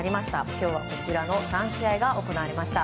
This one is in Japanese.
今日はこちらの３試合が行われました。